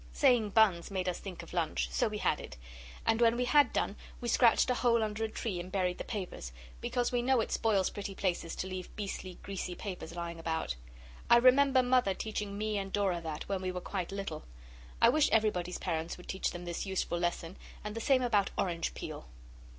Saying buns made us think of lunch, so we had it; and when we had done we scratched a hole under a tree and buried the papers, because we know it spoils pretty places to leave beastly, greasy papers lying about. I remember Mother teaching me and Dora that, when we were quite little. I wish everybody's parents would teach them this useful lesson, and the same about orange peel.